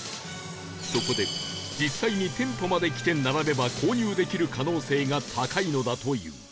そこで実際に店舗まで来て並べば購入できる可能性が高いのだという